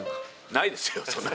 ないですよ、そんな。